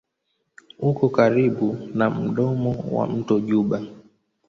Uko karibu na mdomo wa mto Juba.